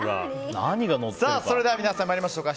それでは皆さん参りましょうか。